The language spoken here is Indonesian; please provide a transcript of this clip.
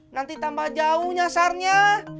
nanti tambah jauh nyasarnya